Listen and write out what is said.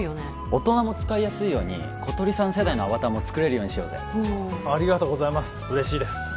大人も使いやすいように小鳥さん世代のアバターも作れるようにしようぜおおありがとうございます嬉しいです